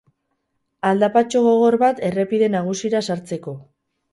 Aldapatxo gogor bat errepide nagusira sartzeko.